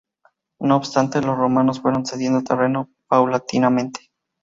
No obstante, los rumanos fueron cediendo terreno paulatinamente.